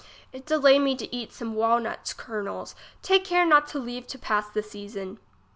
It delay me to eat some wal nuts kernels ; take care not leave to pass the season.